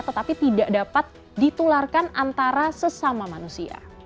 tetapi tidak dapat ditularkan antara sesama manusia